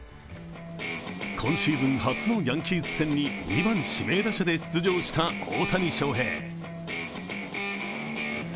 今シーズン初のヤンキース戦に２番指名打者で出場した大谷翔平。